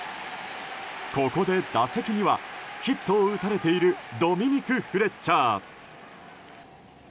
ここで打席にはヒットを打たれているドミニク・フレッチャー。